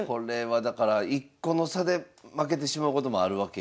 だから１個の差で負けてしまうこともあるわけや。